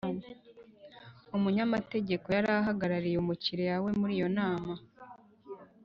umunyamategeko yari ahagarariye umukiriya we muri iyo nama.